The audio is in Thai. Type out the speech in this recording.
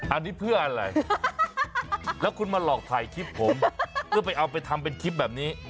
อันนี้เพื่ออะไรแล้วคุณมาหลอกถ่ายคลิปผมเพื่อไปเอาไปทำเป็นคลิปแบบนี้